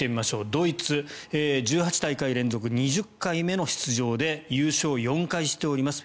ドイツ、１８大会連続２０回目の出場で優勝は４回しております。